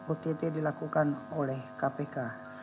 ott dilakukan oleh kpk